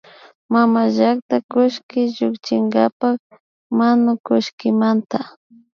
Mamallakta kullki llukshishkapak manukullkimanta